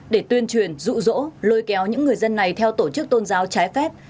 để tuyên truyền rụ rỗ lôi kéo những người dân này theo tổ chức tôn giáo trái phép